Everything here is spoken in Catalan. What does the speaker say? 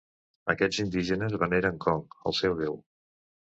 Aquests indígenes veneren Kong, el seu déu.